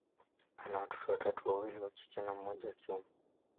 ana watoto watatu, wawili wa kike na mmoja wa kiume.